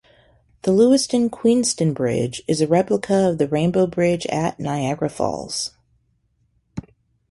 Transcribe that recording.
The Lewiston-Queenston Bridge is a replica of the Rainbow Bridge at Niagara Falls.